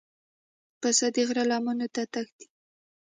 پسه د غره لمنو ته تښتي.